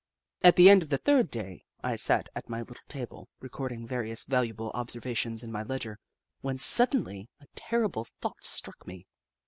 At the end of the third day, I sat at my lit tle table, recording various valuable observa tions in my ledger, when suddenly a terrible thought struck me.